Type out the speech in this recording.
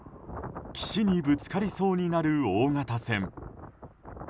岸にぶつかりそうになる大型船。